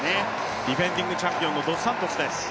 ディフェンディングチャンピオンのドスサントスです。